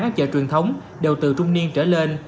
các chợ truyền thống đều từ trung niên trở lên